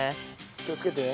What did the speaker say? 気をつけてね。